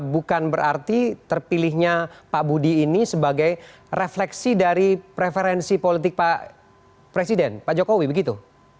bukan berarti terpilihnya pak budi ini sebagai refleksi dari preferensi politik pak presiden pak jokowi begitu